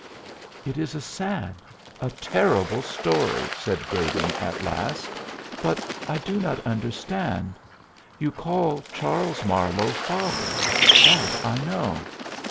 "It is a sad, a terrible story," said Brading at last, "but I do not understand. You call Charles Marlowe father; that I know.